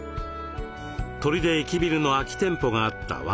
取手駅ビルの空き店舗があった